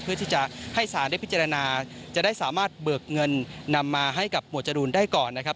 เพื่อที่จะให้สารได้พิจารณาจะได้สามารถเบิกเงินนำมาให้กับหมวดจรูนได้ก่อนนะครับ